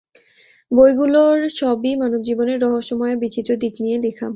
বইগুলোর সবই মানবজীবনের রহস্যময় আর বিচিত্র দিক নিয়ে লেখা।